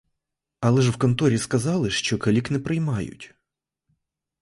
Але в конторі сказали, що калік не приймають.